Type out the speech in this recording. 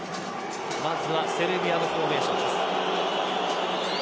こちらセルビアのフォーメーションです。